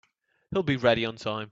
He'll be ready on time.